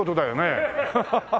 ハハハハッ。